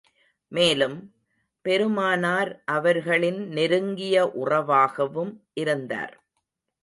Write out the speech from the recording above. மேலும், பெருமானார் அவர்களின் நெருங்கிய உறவாகவும் இருந்தார்.